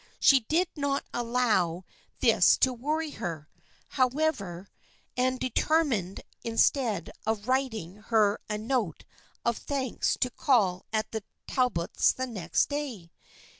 She did not allow 192 THE FKIENDSHIP OF ANNE this to worry her, however, and determined instead of writing her a note of thanks to call at the Tal bots' the next day.